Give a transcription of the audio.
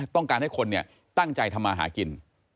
ตั้งใจท้ำหากิน